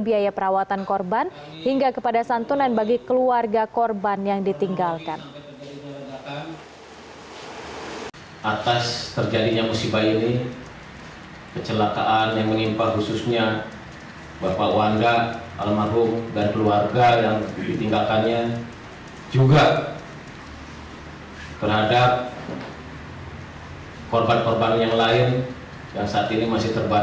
pihak paskas tni au akan bertanggung jawab terkait korban yang terjadi